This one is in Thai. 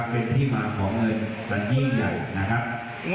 เป็นที่มาของเงินประเทศใหญ่นะครับ